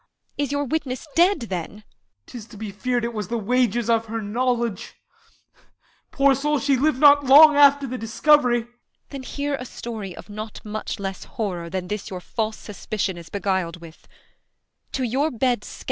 Is your witness dead then ? Als. 'Tis to be fear'd It was the wages of her knowledge; poor soul, She liv'd not long after the discovery. Bea. Then hear a story of not much less horror 60 Than this your false suspicion is beguil'd with; To your bed's scandal, I stand up innocence, 61.